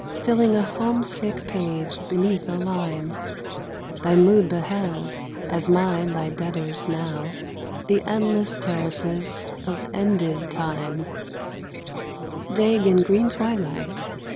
Filling a homesick page beneath a lime, Thy mood beheld, as mine thy debtor's now, The endless terraces of ended Time, Vague in green twilight.